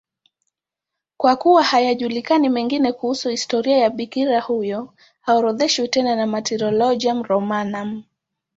Kwa kuwa hayajulikani mengine kuhusu historia ya bikira huyo, haorodheshwi tena na Martyrologium Romanum.